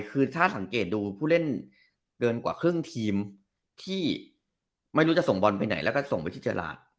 คือถ้าสังเกตดูผู้เล่นเกินกว่าครึ่งทีมที่ไม่รู้จะส่งบอลไปไหนแล้วก็ส่งไปที่เจรา